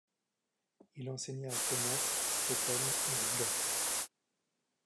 Il enseigna à Kaunas, Stockholm et Rīga.